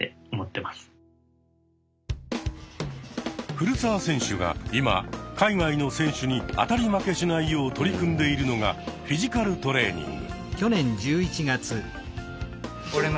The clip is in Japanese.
古澤選手が今海外の選手に当たり負けしないよう取り組んでいるのがフィジカルトレーニング。